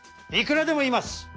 いくらでもいます。